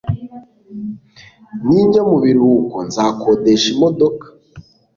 Ninjya mu biruhuko, nzakodesha imodoka.